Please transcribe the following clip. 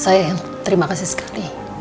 saya terima kasih sekali